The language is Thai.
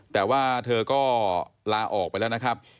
แต่ว่าเธอก็ลาออกไปแล้วนะครับ